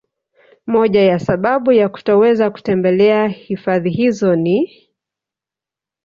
Moja ya sababu ya kutoweza kutembelea hifadhi hizo ni